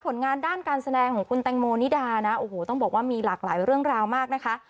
ผลงานด้านการแสดงของคุณแตงโมนิดานะโอ้โหต้องบอกว่ามีหลากหลายเรื่องราวมากนะคะ